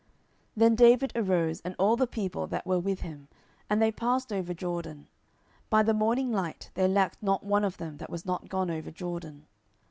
10:017:022 Then David arose, and all the people that were with him, and they passed over Jordan: by the morning light there lacked not one of them that was not gone over Jordan.